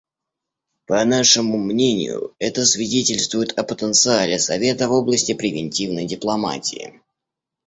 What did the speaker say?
По нашему мнению, это свидетельствует о потенциале Совета в области превентивной дипломатии.